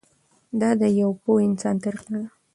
دا د یوه پوه انسان طریقه ده.